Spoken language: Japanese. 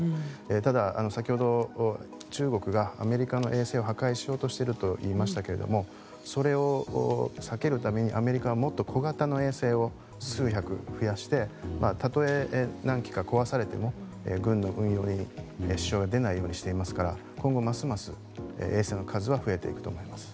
ただ先ほど、中国がアメリカの衛星を破壊しようとしていると言いましたけれどもそれを避けるためにアメリカはもっと小型の衛星を数百増やしてたとえ何基か壊されても軍の運用に支障が出ないようにしていますから今後ますます衛星の数は増えていくと思います。